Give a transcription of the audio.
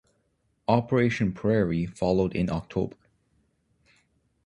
Operation Prairie followed in October.